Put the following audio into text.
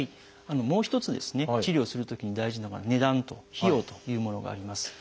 もう一つですね治療するときに大事なのが値段と費用というものがあります。